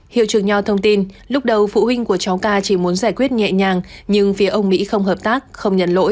hiệu trường nhò thông tin lúc đầu phụ huynh của cháu k chỉ muốn giải quyết nhẹ nhàng nhưng phía ông mỹ không hợp tác không nhận lỗi